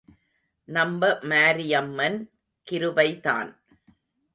நம்ப மாரியம்மன் கிருபைதான்.